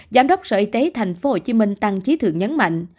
giám đốc sở y tế tp hcm tăng trí thượng nhấn mạnh